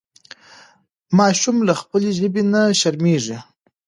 ماشوم له خپلې ژبې نه شرمېږي.